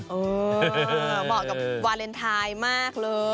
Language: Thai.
เหมาะกับวาเลนไทยมากเลย